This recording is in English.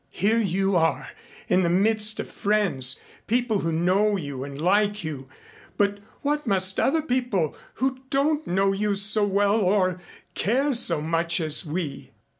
Here you are in the midst of friends, people who know you and like you, but what must other people who don't know you so well or care so much as we?